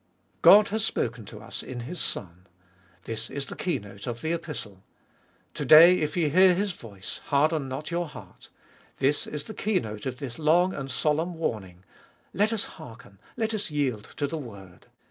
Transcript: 7. God has spoken to us in His Son. This is the keynote of the Epistle. To day, if ye hear His voice, harden not your heart : this is the keynote of this long and solemn warning. Let us hearken, let us yield to the word.